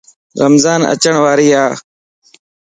رمضان اچڻ وارائي